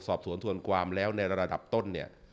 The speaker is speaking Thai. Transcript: สอบสวนทวนความแล้วในระดับต้นเนี่ย